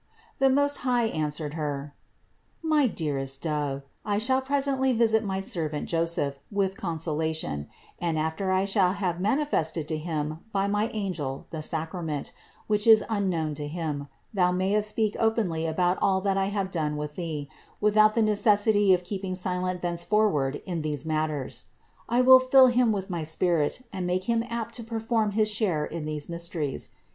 392. The Most High answered Her: "My dearest Dove, I shall presently visit my servant Joseph with con solation; and after I shall have manifested to him by my angel the sacrament, which is unknown to him, thou mayest speak openly about all that I have done with thee, without the necessity of keeping silent thenceforward in these matters. I will fill him with my spirit and make him apt to perform his share in these mysteries.